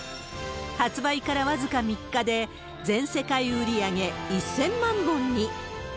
発売から僅か３日で、全世界売り上げ１０００万本に。